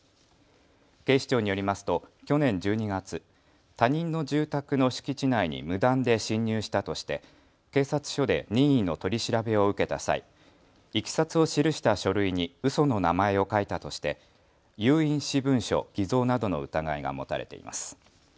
警視庁によりますと去年１２月、他人の住宅の敷地内に無断で侵入したとして警察署で任意の取り調べを受けた際、いきさつを記した書類にうその名前を書いたとして有印私文書偽造などの疑いが持たれています。